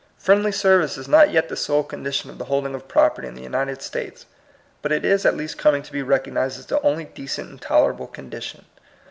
Friendly service is not yet the sole condition of the holding of property in the United States, but it is at least coming to be recognized as the only decent and tol erable condition.